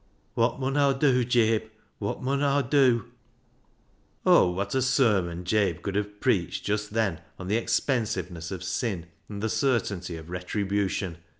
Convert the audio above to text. " Wot mun Aw dew, Jabe — wot mun Aw dew ?" Oh, what a sermon Jabe could have preached just then on the expensiveness of sin and the certainty of retribution.